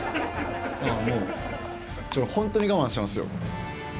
もう、ちょっと本当に我慢しますよ。